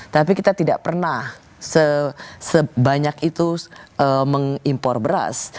tapi kita tidak pernah sebanyak itu mengimpor beras